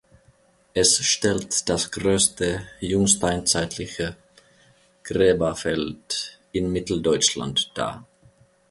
Es stellt das größte jungsteinzeitliche Gräberfeld in Mitteldeutschland dar.